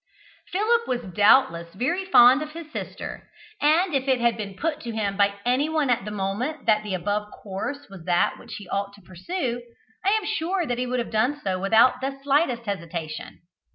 Philip was doubtless very fond of his sister, and if it had been put to him by anyone at the moment that the above course was that which he ought to pursue, I am sure that he would have done so without the slightest hesitation.